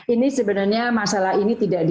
ini sebenarnya masalah ini